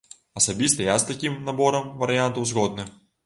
Асабіста я з такім наборам варыянтаў згодны.